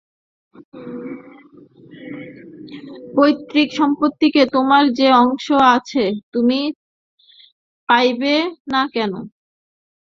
পৈতৃক সম্পত্তিতে তোমার যে অংশ সে তুমি পাইবে না কেন।